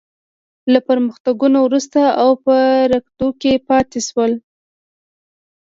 له پرمختګونو وروسته او په رکود کې پاتې شوې.